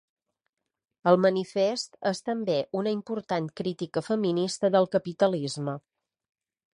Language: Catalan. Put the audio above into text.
El Manifest és també una important crítica feminista del capitalisme.